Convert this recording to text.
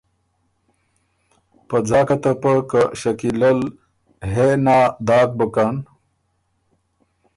په ځاکه ته پۀ که شکیلۀ ل ”هې نا“ داک بُکن